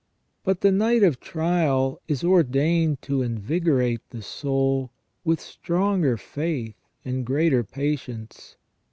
But the night of trial is ordained to invigorate the soul with stronger faith and greater patience.